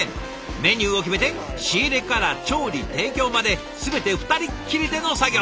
メニューを決めて仕入れから調理提供まで全て２人っきりでの作業。